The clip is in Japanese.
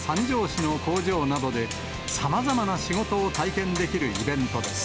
市の工場などで、さまざまな仕事を体験できるイベントです。